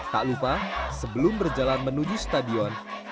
tak lupa sebelum berjalan menuju stadion